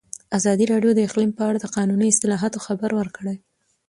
ازادي راډیو د اقلیم په اړه د قانوني اصلاحاتو خبر ورکړی.